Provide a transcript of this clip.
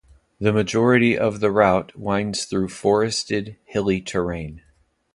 The majority of the route winds through forested, hilly terrain.